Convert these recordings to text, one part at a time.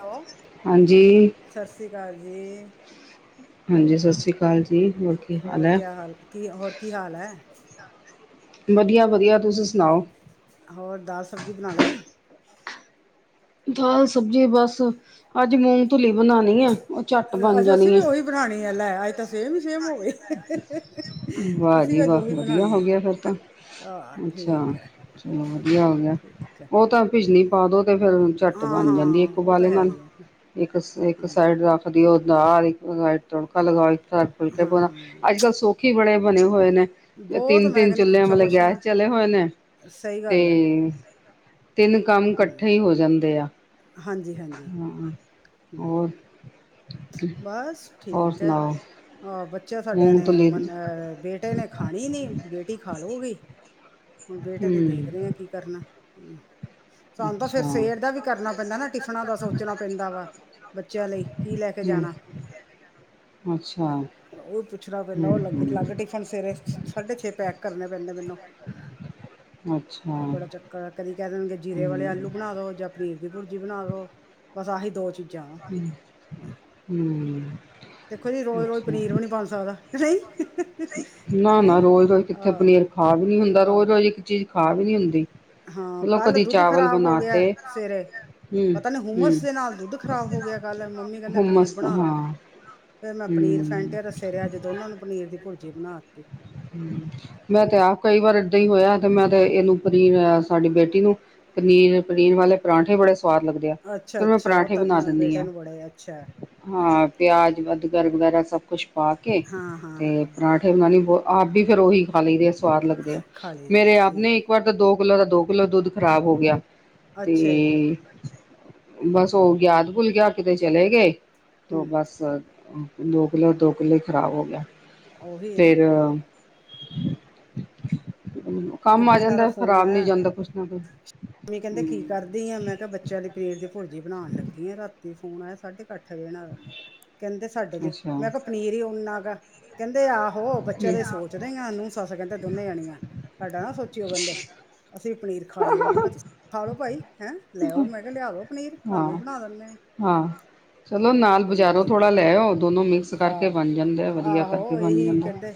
Hello ਹਾਂਜੀ। ਸਤਿ ਸ਼੍ਰੀ ਅਕਾਲ ਜੀ। ਹਾਂਜੀ ਸਤਿ ਸ਼੍ਰੀ ਅਕਾਲ ਜੀ। ਕੀ ਹੋਰ ਹੈ ਕਿਆ ਹਾਲ ਕੀ ਹੋਰ ਕੀ ਹਾਲ ਐ? ਵਧੀਆ-ਵਧੀਆ ਤੁਸੀਂ ਸੁਣਾਓ? ਹੋਰ ਦਾਲ ਸਬਜ਼ੀ ਬਣਾ ਲਈ? ਦਾਲ ਸਬਜ਼ੀ ਬਸ ਅੱਜ ਮੂੰਗ ਤੁਲੀ ਬਣਾਣੀ ਐ। ਅੱਜ ਅਸੀਂ ਵੀ ਓਹੀ ਬਣਾਣੀ ਐ ਲੈ ਅੱਜ ਤਾਂ ਸੇਮੀ-ਸੇਮ ਹੋ ਗਈ। ਵਾਹ‌ ਅਸੀਂ ਜੀ ਵੀ ਅੱਜ ਵਾਹ ਉਹੀ ਵਧੀਆ ਬਣਾਉਣੀ ਹੈ ਹੋਗਿਆ ਫੇਰ ਤਾਂ। ਆਹ ਅੱਛਾ, ਠੀਕ ਹੈ ਚਲੋ ਵਧੀਆ ਹੋਗਿਆ ਠੀਕ ਹੈ ਉ ਤਾਂ ਭਿਜਨੀ ਪਾ ਦੋ ਤੇ ਫਿਰ ਝਟ ਹਾਂ ਬਣ ਜਾਂਦੀ ਹਾਂ ਇੱਕ ਉਹ ਤਾਂ ਉਬਾਲੇ ਹੈ ਨਾਲ ਹੀ ਹੈ ਇੱਕ-ਇੱਕ ਹਾਂ ਸਾਈਡ ਰੱਖ ਦਿਓ ਨਾਲ ਹੀ ਤੜਕਾ ਲਗਾਓੱ, ਇਕ ਤਰਫ ਫੁਲਕੇ ਹਾਂ ਬਣਾਓ ਅੱਜ ਕੱਲ ਸ ਕੀਵੇ ਦੇ ਬਣੇ ਹੋਏ ਨੇ? ਬਹੁਤ ਮੈਂ ਤਿੰਨ-ਤਿੰਨ ਕਹਿੰਦੀ ਚੁੱਲ੍ਹਿਆਂ ਪੁੱਛੋ ਵਾਲੇ ਕੁਛ ਗੈਸ ਨਾ ਚੱਲੇ ਹੋਏ ਨੇ ਸਹੀ ਗੱਲ ਹੈ ਤੇ ਤਿੰਨ ਕੰਮ ਇਕੱਠੇ ਈ ਹੋ ਜਾਂਦੇ ਆ। ਹਾਂਜੀ-ਹਾਂਜੀ, ਹਾਂ ਹੂੰ। ਹੋਰ ਬਸ ਹੋਰ ਠੀਕ ਐ। ਸੁਣਾਓ ਆਹ ਬੱਚੇ ਸਾਡਿਆਂ ਨੇ ਮੂੰਗਤਲੀ ਮਨ ਅਹ ਬੇਟੇ ਨੇ ਖਾਣੀ ਨੀ ਬੇਟੀ ਖਾ ਲਊਗੀ। ਹੁਣ ਬੇਟੇ ਦੀ ਹਮ ਦੇਖਦੇ ਆ ਕੀ ਕਰਨਾ ਹੂੰ। ਸਾਨ ਤਾਂ ਫਿਰ ਅੱਛਾ ਸੇਵੇਰ ਦਾ ਵੀ ਕਰਨਾ ਪੈਂਦਾ ਨਾ ਟਿਫਨਾਂ ਦਾ ਸੋਚਣਾ ਪੈਂਦਾ ਵਾ। ਬੱਚਿਆਂ ਲਈ ਕੀ ਲੈ ਕੇ ਹਮ ਜਾਣਾ? ਅੱਛਾ ਉ ਪੁੱਛਣਾ ਪੈਂਦਾ ਹਮ ਉ ਲੱਗ ਅਲੱਗ ਹਮ ਟੀਫ ਹੁਣ ਸਵੇਰੇ ਸਾਢੇ ਛੇ ਪੈਕ ਕਰਨੇ ਪੈਂਦੇ ਮੈਨੂੰ। ਅੱਛਾ ਉਹ ਬੜਾ ਚੱਕਰ ਐ, ਕਦੀ ਕਹਿ ਦੇਣਗੇ ਜੀਰੇ ਵਾਲੇ ਹਮ ਆਲੂ ਬਣਾ ਦੋ ਜਾਂ ਪਨੀਰ ਦੀ ਭੁਰਜੀ ਬਣਾ ਦੋ ਬਸ ਆਹੀ ਦੋ ਚੀਜ਼ਾਂ ਵਾ। ਹੂੰ-ਹੂੰ। ਦੇਖੋ ਜੀ ਰੋਜ਼ ਰੋਜ਼ ਅੱਛਾ, ਪਨੀਰ ਵੀ ਨਹੀਂ ਬਣ ਸਕਦਾ ਨਹੀਂ ਕਿ ਨਾ-ਨਾ ਨਹੀਂ ਰੋਜ਼-ਰੋਜ਼ ਕਿੱਥੇ ਪਨੀਰ ਖਾ ਵੀ ਨੀ ਆਹ ਹੁੰਦਾ ਆਹ ਰੋਜ਼-ਰੋਜ਼ ਇੱਕ ਚੀਜ਼ ਖਾ ਵੀ ਨੀ ਹੁੰਦੀ। ਹਾਂ, ਮਤਲਬ ਕੱਲ ਕਦੀ ਦੁੱਧ ਚਾਵਲ ਖ਼ਰਾਬ ਹੋ ਬਣਾ ਗਿਆ ਤੇ ਸਵੇਰੇ ਹਮ ਪਤਾ ਨੀ ਹਮ ਹੁੱਮਸ ਦੇ ਨਾਲ ਦੁੱਧ ਖ਼ਰਾਬ ਹੋ ਗਿਆ ਕੱਲ ਮੰਮੀ ਕਹਿੰਦੇ ਪਨੀਰ ਹੁਮਸ ਬਣਾ ਲਾ ਹਾਂ ਫਿਰ ਮੈਂ ਪਨੀਰ ਹਮ ਫੈਂਟਿਆ ਰ ਫਿਰ ਅੱਜ ਦੋਨਾਂ ਨੂੰ ਪਨੀਰ ਦੀ ਭੁਰਜੀ ਬਣਾ ਦਿੱਤੀ। ਹੂੰ, ਮੈਂ ਤੇ ਆਪ ਕਈ ਵਾਰ ਏਦਾਂ ਈ ਹੋਇਆ ਤੇ ਮੈਂ ਤੇ ਇਹਨੂੰ ਪਨੀਰ ਸਾਡੀ ਬੇਟੀ ਨੂੰ ਪਨੀਰ-ਪਨੀਰ ਵਾਲੇ ਪਰਾਂਠੇ ਬੜੇ ਸਵਾਦ ਲੱਗਦੇ। ਆ ਅੱਛਾ ਫਿਰ ਮੈਂ ਅੱਛਾ ਉਹ ਪਰਾਂਠੇ ਬਣਾ ਤਾਂ ਦਿੰਨੀ ਬੇਟੇ ਆ। ਨੂੰ ਬੜੇ ਅੱਛਾ ਹਾਂ, ਪਿਆਜ, ਅਦਗਰ ਵਗੈਰਾ ਸਭ ਕੁਛ ਪਾ ਕੇ ਹਾਂ ਹਾਂ ਤੇ ਹਾਂ ਪਰਾਂਠੇ ਫਿਰ ਮੈਨੂੰ ਵੀ ਬਹੁਤ ਆਪ ਵੀ ਫੇਰ ਉਹੀ ਖਾ ਲਈਦੇ ਆ, ਸਵਾਦ ਲੱਗਦੇ ਆ ਖਾ ਲਈ ਦੀ ਹੈ ਮੇਰੇ ਆਪ ਨੇ ਠੀਕ ਹੈ ਇੱਕ ਵਾਰ ਤਾਂ ਦੋ ਕਿੱਲੋ ਦਾ ਦੋ ਕਿੱਲੋ ਦੁੱਧ ਖ਼ਰਾਬ ਹੋ ਗਿਆ ਅੱਛਾ ਜੀ ਤੇ ਬਸ ਉ ਗਿਆਤ ਭੁੱਲ ਗਿਆ, ਕਿਤੇ ਚਲੇ ਗਏ ਤੇ ਹਮ ਬਸ ਦੋ ਕਿੱਲੋ-ਦੋ ਕਿੱਲੋ ਹੀ ਖਰਾਬ ਹੋ ਗਿਆ। ਔਹੀ ਐ ਨਾ। ਫਿਰ [inaudible] ਕੰਮ ਆ ਅੱਗੇ ਇਹਨਾਂ ਦਾ ਜਾਂਦਾ ਫੋਨ ਖ਼ਰਾਬ ਨੀ ਆਇਆ ਜਾਂਦਾ ਕੁਛ ਨਾ ਕੁਛ ਹੂੰ। ਦੇਇਏ ਮੈਂ ਕਿਹਾ, ਬੱਚਿਆਂ ਦੇ ਪਨੀਰ ਦੀ ਭੁਰਜੀ ਬਣਾਣ ਲੱਗੀ ਆ ਰਾਂਤੀ ਫੋਨ ਆਇਆ ਸਾਡੇ ਰਖ ਦੇਣਾ ਕਹਿੰਦੇ ਸਾਡੇ ਲਈ, ਅੱਛਾ ਮੈਂ ਕਿਹਾ ਹੂੰ ਪਨੀਰ ਓਨਾ ਕਾ ਕਹਿੰਦੇ ਆਹੋ, ਬੱਚਿਆਂ ਦੇ ਸੋਚਦੇ ਆ ਨੂੰ-ਸੱਸ ਕਹਿੰਦੇ ਦੋਨੇ ਜਾਣੀਆਂ ਸਾਡਾ ਨਾ ਸੋਚਿਓ ਕਹਿੰਦੇ, ਅਸੀਂ ਵੀ ਪਨੀਰ ਖਾ ਲੀਏ ਮੈਂ ਕਿਹਾ, ਤੁਸੀਂ ਖਾ ਲਓ ਭਾਈ ਹੈਂ ਲੈ ਆਓ, ਮੈਂ ਕਿਹਾ ਲਿਆ ਦੋ ਪਨੀਰ ਤੁਹਾਨੂੰ ਹਾਂ ਵੀ ਬਣਾ ਦੇਨੇ ਆਂ। ਹਾਂ ਚਲੋ ਆਹੋ ਨਾਲ ਕਹਿੰਦਾ ਬਜ਼ਾਰੋਂ ਠੀਕ, ਥੋੜ੍ਹਾ ਲੈ ਆਓ ਦੋਨੋਂ ਮਿਕਸ ਕਰਕੇ ਬਣ ਜਾਂਦਾ ਵਧੀਆ ਕਰਕੇ ਆ-ਆਹੋ ਬਣ ਇਹੀ ਜਾਂਦਾ ਕਹਿੰਦੇ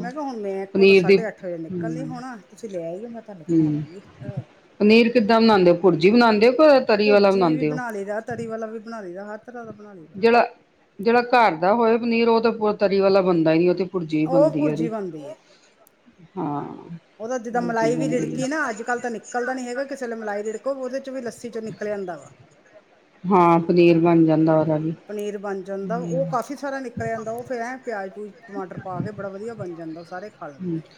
ਮੈਂ ਕਿਹਾ, ਹੁਣ ਮੈਂ ਕੋਂ ਪਨੀਰ ਦੀ ਸਾਢੇ ਅੱਠ ਵਜੇ ਨਿਕਲ ਨ ਹੂੰ ਹੋਣਾ, ਤੁਸੀਂ ਲੈ ਆਈਓ ਮੈਂ ਕਿਹਾ। ਤੁਹਾਨੂੰ ਬਣਾ ਹੂੰ ਦਾਂਗੀ ਆ। ਪਨੀਰ ਕਿੱਦਾਂ ਬਣਾਦੇ ਓ ਭੁਰਜੀ ਬਣਾਦੇ ਓ, ਕ ਤਰੀ ਵਾਲਾ ਭੁਰਜੀ ਵੀ ਬਣਾਦੇ ਓ ਬਣਾ ਲਈ ਦਾ ਤਰੀ ਵਾਲਾ ਵੀ ਬਣਾ ਦਾਇਦਾ ਹਰ ਤਰਾਂ ਬਣਾ ਲਈ ਦਾ ਜੇਹੜਾ-ਜੇਹੜਾ ਘਰ ਦਾ ਹੋਏ ਪਨੀਰ ਉ ਤਾਂ ਪੂ ਤਰੀ ਵਾਲਾ ਬਣਦਾ ਹੀ ਨਹੀਂ ਉਹ ਤੇ ਭੁਰਜੀ ਉਹ ਬਣਦੀ ਭੁਰਜੀ ਏਦੀ ਬਣਦੀ ਹੈ ਹਾਂ ਉਹਦਾ ਜਿੱਦਾਂ ਭੁਰਜੀ ਮਲਾਈ ਵੀ ਬਣਦੀ ਰਿੜਕੀ ਹੈ, ਨਾ ਅੱਜ ਕੱਲ੍ਹ ਤਾਂ ਨਿਕਲਦਾ ਨਹੀਂ ਹੈਗਾ, ਕਿਸੇ ਵੇਲੇ ਮਲਾਈ ਰਿੜਕੋ ਉਹਦੇ ਚ ਵੀ ਲੱਸੀ ਚੋਂ ਨਿਕਲ ਆਂਦਾ ਵਾ ਹਾਂ ਪਨੀਰ ਬਣ ਜਾਂਦਾ ਓਦਾ ਵੀ ਪਨੀਰ ਬਣ ਜਾਂਦਾ ਉਹ ਕਾਫ਼ੀ ਸਾਰਾ ਨਿਕਲ ਆਦਾ ਉਹ ਫਿਰ ਐਂ ਪਿਆਜ਼ ਪਊਜ ਟਮਾਟਰ ਪਾ ਕੇ ਬੜਾ ਵਧੀਆ ਬਣ ਜਾਂਦਾ ਉਹ ਸਾਰੇ ਖਾ ਹੂੰ ਲੈਂਦੇ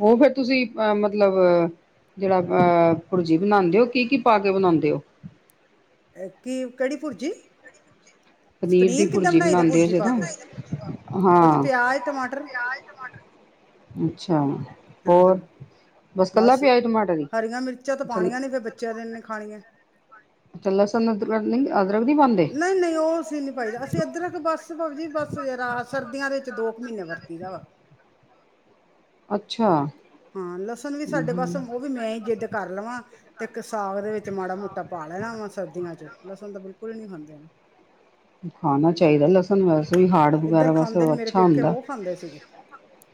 ਉਹ ਫਿਰ ਤੁਸੀ ਅਹ ਮਤਲਬ ਜਿਹੜਾ ਭੁਰਜੀ ਬਣਾਂਦੇ ਹੋ ਕੀ - ਕੀ ਪਾ ਕੇ ਬਣਾਂਦੇ ਹੋ ਕੀ ਕਿਹੜੀ ਭੁਰਜੀ ਪਨੀਰ ਦੀ ਕਿੱਦਾਂ ਭੁਰਜੀ ਬਣਾਈ ਦਾ ਬਣਾਂਦੇ ਆ ਭੁਰਜੀ ਪਾ ਜਿਦਾਂ ਕੇ ਉਹ ਚ ਹਾਂ, ਟਮਾਟਰ ਪਿਆਜ ਟਮਾਟਰ ਅੱਛਾ, ਹਾਂ ਹਾਂ ਹੋਰ ਕੱਲਾ ਬਸ, ਪਿਆਜ ਟਮਾਟਰ ਹੀ ਹਰੀਆ ਮਿਰਚਾਂ ਤਾਂ ਪਾਣੀਆ ਨਹੀਂ ਫਿਰ ਬੱਚਿਆਂ ਨੇ ਨੀ ਖਾਣੀਆਂ ਅੱਛਾ ਲਸਨ, ਅਦਰਕ- ਅਦਰਕ ਨਹੀ ਪਾਦੇ ਨਹੀਂ- ਨਹੀਂ ਉਹ ਅਸੀਂ ਨੀ ਪਾਈਦਾ ਅਸੀਂ ਅਦਰਕ ਬਸ ਭਾਬੀ ਜੀ ਬੱਸ ਸਰਦੀਆਂ ਦੇ ਦੋ ਕੁ ਮਹੀਨੇ ਵਰਤੀ ਦਾ ਅੱਛਾ ਹਾਂ ਲਸਣ ਵੀ ਸਾਡੇ ਬਸ ਉਹ ਵੀ ਮੈਂ ਹੀ ਜਿੱਦ ਕਰ ਲਵਾਂ, ਤੇ ਸਾਗ ਦੇ ਵਿੱਚ- ਮਾੜਾ ਮੋਟਾ ਪਾ ਲੈਣਾ ਵਾ ਸਰਦੀਆਂ ਚ, ਲਸਣ ਤਾਂ ਬਿਲਕੁਲ ਹੀ ਨਹੀਂ ਖਾਂਦੇ ਨਾ ਖਾਣਾ ਚਾਹੀਦਾ ਲਸਣ ਵੈਸੇ ਵੀ ਹਾਰਡ ਇੱਧਰ ਵਗੈਰਾ ਖਾਂਦੇ ਨੇ ਵਾਸਤੇ ਮੇਰੇ ਅੱਛਾ ਪੇਕੇ ਹੁੰਦਾ ਬਹੁਤ ਖਾਂਦੇ ਸੀਗੇ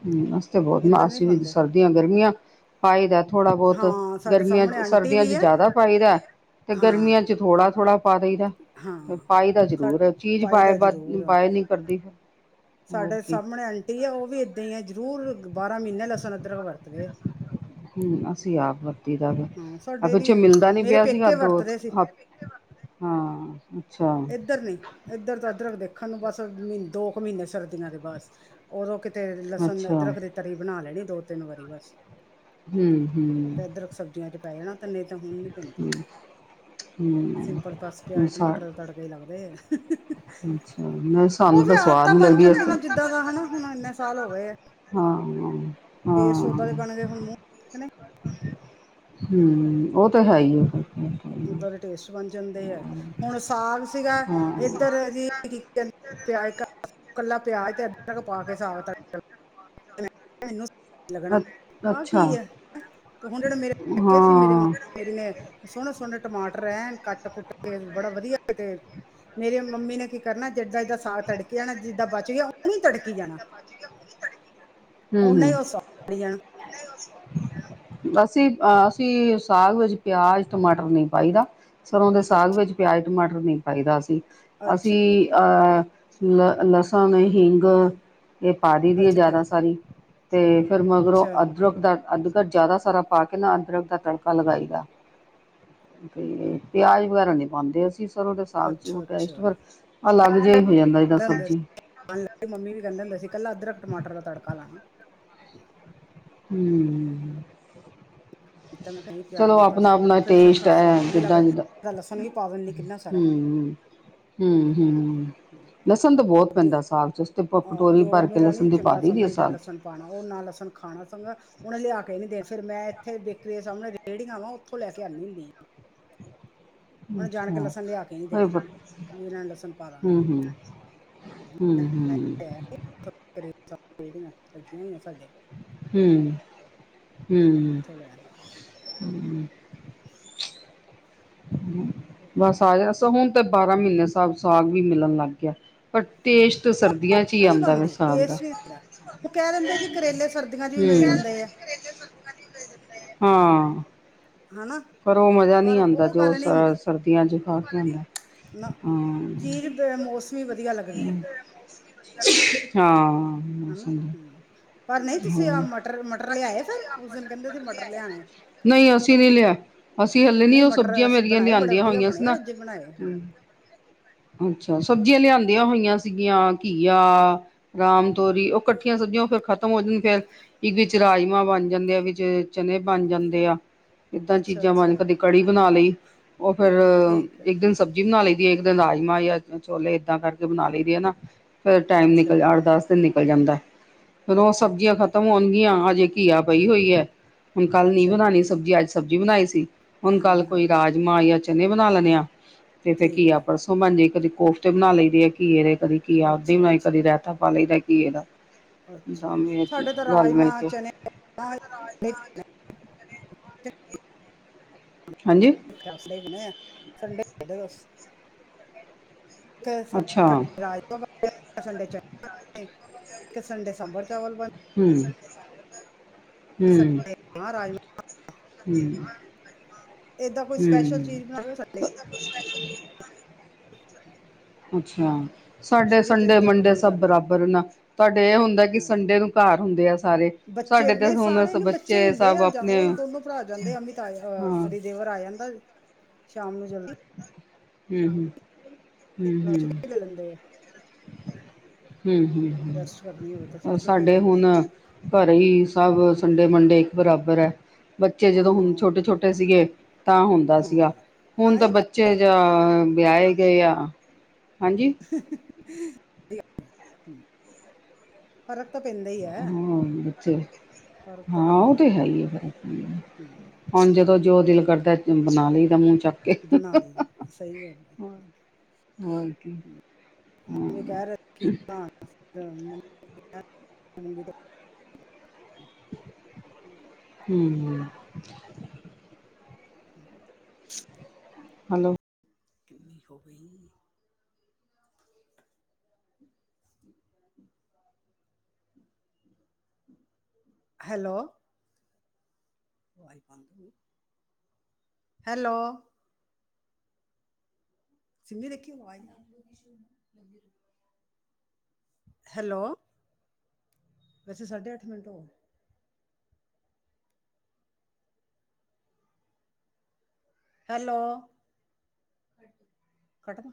ਹੂੰ ਅਸੀ ਤੇ ਬਹੁਤ ਨਾ ਇੱਧਰ ਨਹੀਂ ਖਾਂਦੇ ਸਰਦੀਆਂ ਗਰਮੀਆਂ ਪਾਈ ਦਾ ਥੋੜ੍ਹਾ ਬਹੁਤ ਹਾਂ ਸਾਡੇ ਗਰਮੀਆਂ ਸਾਹਮਣੇ ਚ ਆਂਟੀ ਸਰਦੀਆਂ ਵੀ ਚ ਹੈ ਜ਼ਿਆਦਾ ਪਾਈ ਦਾ ਤੇ ਹਾਂ ਗਰਮੀਆਂ ਚ ਥੋੜ੍ਹਾ-ਥੋੜ੍ਹਾ ਪਾ ਦੇਈ ਦਾ ਹਾਂ ਪਾਈ ਦਾ ਸਾ ਜ਼ਰੂਰ ਏ ਚੀਜ਼ ਪਾਈ ਵਾਈ ਦਾ ਜ਼ਰੂਰ ਬਾਦੀ ਆ। ਨਹੀ ਕਰਦੀ ਹੋਰ ਸਾਡੇ ਕੀ ਸਾਹਮਣੇ ਆਂਟੀ ਆ ਉਹ ਵੀ ਏਦਾਂ ਹੀ ਆ ਜ਼ਰੂਰ ਬਾਰਾਂ ਮਹੀਨੇ ਲਸਣ ਅਦਰਕ ਵਰਤਦੀ ਏ ਹੂੰ ਅਸੀਂ ਆਪ ਵਰਤੀ ਦਾ ਵਾ ਹਾਂ ਆ ਸਾਡੇ ਨੀ ਪਿੱਛੇ ਮਿਲਦਾ ਨੀ ਮੇਰੇ ਪਿਆ ਸੀਗਾ ਪੇਕੇ ਦੋ ਵਰਤਦੇ ਸੀ ਹਫਤੇ ਹਾਂ, ਅੱਛਾ ਨਹੀਂ ਇੱਧਰ ਤਾਂ ਅਦਰਕ ਦੇਖਣ ਨੂੰ ਬਸ ਮਹੀਨ ਦੋ ਕੁ ਮਹੀਨੇ ਸਰਦੀਆਂ ਦੇ ਬਸ ਉਦੋਂ ਕਿਤੇ ਲਸਣ ਅੱਛਾ ਅਦਰਕ ਦੀ ਤਰੀ ਬਣਾ ਲੈਣੀ ਦੋ ਤਿੰਨ ਵਾਰੀ ਬਸ ਹੂੰ ਹੂੰ ਤੇ ਅਦਰਕ ਸਬਜ਼ੀਆਂ ਚ ਪੈ ਜਾਣਾ ਤੇ ਨਹੀਂ ਤੇ ਹੁਣ ਨਹੀਂ ਪੈਂਦਾ ਹੂੰ ਹੂੰ ਸਿੰਪਲ ਬਸ ਹੂੰ ਪਿਆਜ ਸਾ ਟਮਾਟਰ ਤੜਕੇ ਹੀ ਲੱਗਦੇ ਐ ਅੱਛਾ, ਮੈਂ ਬਸ ਉਹ ਫਿਰ ਆਦਤਾਂ ਬਣ ਜਾਂਦੀਆਂ ਜਿੱਦਾਂ ਦਾ ਹਨਾ ਹੁਣ ਇੰਨੇ ਸਾਲ ਹੋ ਗਏ ਆ ਹਾਂ-ਹਾ ਟੇਸਟ ਉਦਾਂ ਲੱਗਣਗੇ ਹੁਣ ਮੂੰਹ ਨੇ ਹੂੰ ਉਹ ਤੇ ਹੈ ਈਏ ਅੱਛਾ ਉਦਾਂ ਦੇ ਟੇਸਟ ਬਣ ਜਾਂਦੇ ਆ ਹੁਣ ਸਾਗ ਸੀਗਾ ਹਾਂ ਇੱਧਰ ਜੀ ਕੱਲਾ ਪਿਆਜ ਤੇ ਅਦਰਕ ਪਾ ਕੇ ਸਾਗ ਤੜਕ ਤਾ ਮੈਨੂੰ ਸਾਗ ਲੱਗਣਾ ਆ ਕੀ ਅੱਛਾ ਏ, ਤੇ ਹੁਣ ਜਿਹੜੇ ਮੇਰੇ ਪੇਕੇ ਸੀ ਹਾਂ ਮੇਰੇ ਮਾ ਮੇਰੀ ਨੇ ਸੋਹਣੇ -ਸੋਹਣੇ ਟਮਾਟਰ ਐਨ ਕੱਟ- ਕੁੱਟ ਕੇ ਬੜਾ ਵਧੀਆ ਤੇ ਮੇਰੇ ਮੰਮੀ ਨੇ ਕੀ ਕਰਨਾ ਜਿੱਦਾਂ ਏਦਾਂ ਸਾਗ ਤੜਕੀ ਜਾਣਾ, ਜਿੱਦਾਂ ਬਚ ਗਿਆ ਉਹਨੂੰ ਵੀ ਤੜਕੀ ਜਾਣਾ ਹੂੰ- ਹੂੰ ਉਹਨਾਂ ਹੀ ਉਹ ਸਾੜੀ ਜਾਣਾ ਅਸੀਂ- ਅਸੀਂ ਸਾਗ ਵਿੱਚ ਪਿਆਜ, ਟਮਾਟਰ ਨਹੀਂ ਪਾਈਦਾ ਸਰੋਂ ਦੇ ਸਾਗ ਅੱਛਾ ਵਿੱਚ ਪਿਆਜ ਟਮਾਟਰ ਨਹੀਂ ਪਾਈਦਾ ਅੱਛਾ ਅਸੀਂ-ਅਸੀਂ ਅਹ ਲ ਲਸਣ, ਹਿੰਗ ਇਹ ਪਾ ਦਈ ਦੀ ਆ ਅੱਛਾ ਜ਼ਿਆਦਾ ਸਾਰੀ। ਤੇ ਫਿਰ ਮਗਰੋਂ ਅੱਛਾ ਅਦਰਕ ਦਾ ਅਦਕਰ ਜ਼ਿਆਦਾ ਸਾਰਾ ਪਾ ਕੇ ਨਾ ਅਦਰਕ ਦਾ ਤੜਕਾ ਲਗਾਈ ਦਾ। ਪਿਆਜ ਵਗੈਰਾ ਨੀ ਪਾਉਂਦੇ ਅਸੀਂ। ਸਰੋਂ ਦੇ ਸਾਗ 'ਚ ਉਹ ਅੱਛਾ ਟੇਸਟ ਅੱਛਾ ਫਿਰ ਅਲੱਗ ਜਿਹਾ ਹੀ ਹੋ ਜਾਂਦਾ। ਜਿੱਦਾਂ ਸਬਜ਼ੀ ਮੰਮੀ ਵੀ ਕਹਿੰਦੇ ਹੁੰਦੇ ਸੀ ਇਕੱਲਾ ਅਦਰਕ, ਟਮਾਟਰ ਦਾ ਤੜਕਾ ਲਾਣਾ। ਹੂ [inaudible] ਤੇ ਮੈਂ ਕਹਿਨੀ ਪਿਆਜ਼, ਟਮਾਟਰ ਆਪਣਾ ਫਿਰ ਫਿਰ ਖ ਟੇਸਟ ਹੈ ਸਵਾਦ ਵੀ ਜਿੱਦਾਂ ਜਿੱਦਾਂ ਲੱਗਦਾ, ਲਸਣ ਵੀ ਪਾ ਦਿੰਦੀ ਕਿੰਨਾ ਸਾਰਾ। ਹੂ ਹੂ ਲਸਣ ਤਾਂ ਬਹੁਤ ਪੈਂਦਾ ਸਾਗ 'ਚ। ਅਸੀ ਤੇ ਭ ਅਹ ਕਟੋਰੀ ਦਿਓਰ ਭਰ ਕੇ ਮੇਰਾ ਨੀ ਲਸਣ ਦੀ ਪਾ ਚੰਗਾ ਦੇਈਦੀ ਆ ਸਮਝਦਾ ਸਾਗ'ਚ। ਲਸਣ ਪਾਣਾ, ਉਹ ਨਾ ਲਸਣ ਖਾਣਾ ਚੰਗਾ ਉਹਨੇ ਲਿਆ ਕੇ ਨੀ ਦਿਆ, ਫਿਰ ਮੈਂ ਇੱਥੇ ਬੇਕਰੀ ਦੇ ਸਾਹਮਣੇ ਰੇੜੀਆਂ ਵਾ, ਉੱਥੋਂ ਲੈ ਕੇ ਆਉਣੀ ਹੁੰਨੀ ਆ। ਕੇ ਅੱਛਾ। ਲਸਣ ਲਿਆ ਕੇ ਨੀ ਹੋਰ ਦੇਣਾ ਬਸ ਵੀ ਇਹਨਾਂ ਨੇ ਲਸਣ ਪਾ ਹੂ ਦੇਣਾ ਹੂ ਹੂ ਹੂ ਸਬ ਤਰਹ ਸਬ ਰੇੜੀਆਂ ਲੱਗੀਆਂ ਹੋਈਆਂ ਸਾਡੇ। ਹੂ ਹੂ ਉੱਥੋਂ ਲੈ ਆਏ। ਬਸ ਆ ਜਾ, ਹੁਣ ਤੇ ਬਾਰਾਂਹ ਮਹੀਨੇ ਸਾਨੂੰ ਸਾਗ ਸਾਗ ਵੀ ਮਿਲਣ ਲੱਗ ਗਿਆ। ਪਰ ਟੇਸਟ ਤਾਂ ਸਰਦੀਆਂ ਚੀ ਨਹੀਂ ਆਂਦਾ ਵਾ ਬਣਦੀ ਸਾਗ ਦਾ। ਟੇਸਟ ਨਹੀਂ ਉਹ ਕਹਿ ਦਿੰਦੇ ਆ ਜੀ ਕਰੇਲੇ ਸਰਦੀਆਂ ਚ ਵੀ ਮਿਲ ਹੂੰ ਜਾਂਦੇ ਆ। ਹਾਂ ਹਨਾ ਪਰ ਉਹ ਮਜ਼ਾ ਪਰ ਨਹੀਂ ਆਉਂਦਾ, ਉਹ ਜੋ ਗੱਲ ਸ ਨਹੀਂ ਹੁੰਦੀ ਸਰਦੀਆਂ 'ਚ ਖਾ ਕੇ ਆਂਦਾ। ਨਾ, ਚੀਜ਼ ਬੇਮੋਸਮ ਵੀ ਵਧੀਆ ਲੱਗਦੀ ਐ ਹਾਂ ਹਾਂ ਹੈ ਨਾ ਹੂ ਪਰ ਨਹੀਂ ਤੁਸੀਂ ਆਹ ਮਟਰ ਮਟਰ ਲਿਆਏ ਫਿਰ, ਉਸ ਦਿਨ ਕਹਿੰਦੇ ਸੀ ਮਟਰ ਲਿਆਣੇ। ਨਹੀਂ ਅਸੀਂ ਨਹੀਂ ਲਿਆਏ। ਅਸੀਂ ਹਲੇ ਨੀ, ਨਹੀਂ ਉਹ ਮਟਰ ਸਬਜ਼ੀਆਂ ਅਸੀਂ ਮੇਰੀਆਂ ਬਣਾਏ ਬੜੇ ਲਿਆਉਂਦਿਆਂ ਵਧੀਆ ਹੋਇਆ ਸੀ ਬਣੇ ਆ ਨਾ। ਅੱਜ ਬਣਾਏ ਹਾਂ ਅੱਛਾ, ਸਬਜ਼ੀਆਂ ਲਿਆਂਦੀਆਂ ਹੋਈਆਂ ਸੀਗੀਆਂ ਘੀਆ ਰਾਮ ਤੋਰੀ, ਉਹ ਇਕੱਠੀਆਂ ਸਬਜ਼ੀਆਂ ਫਿਰ ਖਤਮ ਖਤਮ ਹੋ ਜਾਂਦੀ ਫੇਰ, ਇੱਕ ਵਿੱਚ ਰਾਜਮਾਂ ਬਣ ਜਾਂਦੇ ਆ, ਵਿੱਚ ਚਨ ਬਣ ਜਾਂਦੇ ਆ। ਏਦਾਂ ਅੱਛਾ ਚੀਜ਼ਾਂ ਬਣ, ਅੱਛਾ ਕਦੀ ਕੜੀ ਬਣਾ ਲਈ ਉਹ ਫਿਰ ਠੀਕ ਹੈ ਇੱਕ ਦਿਨ ਸਬਜ਼ੀ ਬਣਾ ਲਈ ਦੀ ਹੈ, ਇੱਕ ਦਿਨ ਰਾਜਮ ਜਾਂ ਛੋਲੇ ਏਦਾਂ ਕਰਕੇ ਬਣਾ ਲਈ ਦੀ ਆ ਨਾ। ਫਿਰ ਟਾਈਮ ਅੱਛਾ ਨਿਕਲ ਅੱਠ ਦਸ ਦਿਨ ਨਿਕਲ ਜਾਂਦਾ। ਫਿਰ ਉਹ ਅੱਛਾ ਸਬਜ਼ੀਆਂ ਅੱਛਾ ਖਤਮ ਹੋਣਗੀਆਂ। ਹਜੇ ਘੀਆ ਪਈ ਹੋਈ ਹੈ, ਹਾਂ ਹੁਣ ਕੱਲ ਨਹੀ ਅੱਛਾ ਬਣਾਣੀ ਸਬਜ਼ੀ ਅੱਜ ਸਬਜ਼ੀ ਬਣਾਈ ਸੀ, ਹੁਣ ਹਾਂ ਕੱਲ ਹਾਂ ਕੋਈ ਰਾਜ਼ਮਾ ਜਾਂ ਚਨੇ ਬਣਾ ਲੈਣੇ ਆ। ਤੇ ਫਿਰ ਠੀਕ ਘੀਆ ਹੈ ਪਰਸੋ ਬਣਜੇਗੀ, ਕਦੀ ਕੋਫਤੇ ਬਣਾ ਲਈ ਦੇ ਘੀਏ ਦੇ, ਕਦੀ ਘੀਆ ਐਦਾ ਹੀ ਅੱਛਾ ਬਣਾਈ, ਅੱਛਾ ਕਦੀ ਰਹਿਤਾ ਪਾ ਲਈ ਦਾ ਘਿਏ ਦਾ ਅੱਛਾ ਦਾਮੇ ਸਾਡੇ ਤਾਂ ਰਲ ਮਿਲ ਰਾਜਮਾਂ ਕੇ ਚਨੇ [inaudible] ਹਾਂਜੀ। [unintelligible] ਸੰਡੇ ਇੱਕ ਅੱਛਾ ਸੰਡੇ ਹੂੰ ਰਾਜਮਾਂ ਬਣਦੇ ਆ ਇੱਕ ਸੰਡੇ ਚਨੇ ਬਣਦੇ ਆ ਇੱਕ ਸੰਡੇ ਸਬਰ ਚਾਵਲ ਬਣ ਹੂ ਹੂ ਸੰਡੇ ਰਾਜਮਾ ਹੂ ਏਦਾ ਕੋਈ ਸਪੈਸ਼ਲ ਚੀਜ਼ ਬਣਾਓ ਸਾ [inaudible] ਅੱਛਾ ਆ। ਸਾਡੇ ਸ਼ੁਰੂ ਤੋਂ ਏਦਾਂ ਹੀ ਸੰਡੇ-ਮੰਡੇ ਮੰਮੀ ਸਭ ਕਰਦੇ ਆ ਬਰਾਬਰ ਨਾ ਤੁਹਾਡੇ ਇਹ ਹੁੰਦਾ ਕਿ ਹਾਂ ਸੰਡੇ ਨੂੰ ਘਰ ਹੁੰਦੇ ਆ ਸਾਰੇ। ਬੱਚੇ ਸਾਡੇ ਤੇ ਨਹੀਂ ਹੁਣ ਸਾਰੇ ਨੀ ਬੱਚੇ ਹੀ ਹੁੰਦੇ ਸਭ ਆ ਜਾਂ ਆਪਣੇ ਹੋਰ ਦੋਨੋ ਭਰਾ ਜਾਂਦੇ ਅਮਿਤਾ ਆਏ ਹਾਂ ਸੌਰੀ ਦੇਵਰ ਆਜਾ ਕਲ ਸ਼ਾਮ ਨੂੰ ਜਲਦੀ [unintelligible] [unintelligible] ਹੰ ਹੰ ਰੈਸਟ ਕਰਨੀ ਹੋਵੇ ਤਾਂ ਫਿਰ ਹੰ ਛੁੱਟੀ ਲੈ ਸਾਡੇ ਲੈਂਦੇ ਹੁਣ ਆ ਘਰੇ ਹੀ ਸਬ ਸੰਡੇ-ਮੰਡੇ ਇੱਕ ਬਰਾਬਰ ਹੈ। ਬੱਚੇ ਜਦੋਂ ਹੁਨ ਹਾਂ ਛੋਟੇ-ਛੋਟੇ ਸੀਗੇ ਤਾਂ ਹੁੰਦਾ ਸੀਗਾ ਹਾਂ ਹੁਨ ਹਾਂ ਤਾਂ ਬ ਇਹ ਬੱਚੇ ਜਾ ਵਿਆਏ ਗਏ ਆ ਹਾਂਜੀ। [unintelligible] ਫ਼ਰਕ ਤਾਂ ਪੈਂਦਾ ਈ ਐ ਹਾਂ ਬੱਚੇ ਹਾਂ ਉਹ ਤੇ ਹੈ ਈ ਏ ਫੇਰ ਹਮ, ਹੁਣ ਜਦੋਂ ਜੋ ਦਿਲ ਕਰਦਾ ਬਨਾ ਲੲਈ ਦਾ ਮੂੰਹ ਚੱਕ ਕੇ ਬਨਾ ਲਈਦਾ ਸਹੀ ਗੱਲ ਐ। ਹੋਰ ਕੀ ਵੀ ਕਹਿ ਰਹੇ ਕਿ ਹਾਂਅ। [unintelligible] ਹੰ। [unintelligible] ਹੈਲੋ। ਕਿਨੀ ਹੋ ਗਈ [unintelligible] ਹੈਲੋ। ਵਾਈ ਫਾਲਤੂ ਏ ਹੈਲੋ। ਸਿੰਮੀ ਦੇਖੀ [unintelligible] ਹੈਲੋ। ਵੈਸੇ ਸਾਢੇ ਅੱਠ ਮਿੰਟ ਹੋਗਯੇ ਹੈਲੋ ਕਟ ਦਾ